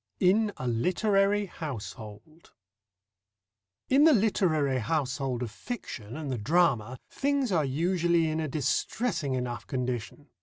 IN A LITERARY HOUSEHOLD In the literary household of fiction and the drama, things are usually in a distressing enough condition.